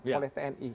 diterima oleh tni